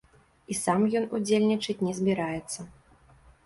І сам ён удзельнічаць не збіраецца.